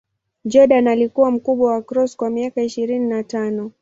Jordan alikuwa mkubwa wa Cross kwa miaka ishirini na tano.